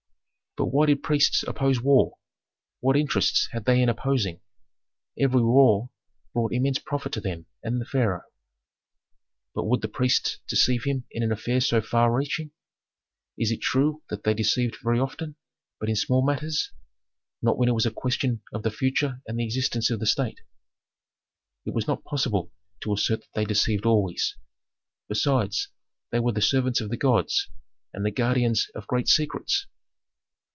"But why did priests oppose war? What interests had they in opposing? Every war brought immense profit to them and the pharaoh. "But would the priests deceive him in an affair so far reaching? It is true that they deceived very often, but in small matters, not when it was a question of the future and the existence of the state. It was not possible to assert that they deceived always. Besides, they were the servants of the gods, and the guardians of great secrets."